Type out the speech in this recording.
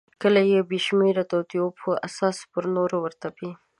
کله یې د بېشمیره توطیو په اساس پر نورو ورتپي.